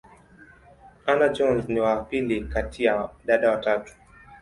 Hannah-Jones ni wa pili kati ya dada watatu.